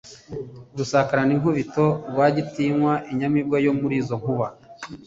Rusakaraninkubito RwagitinywaInyamibwa yo muri izo nkuba